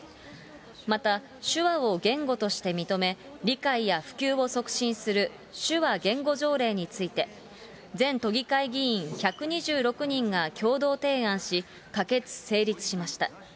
また手話を言語として認め、理解や普及を促進する手話言語条例について、全都議会議員１２６人が共同提案し、可決・成立しました。